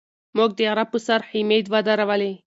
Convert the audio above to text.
موږ د غره په سر خیمې ودرولې.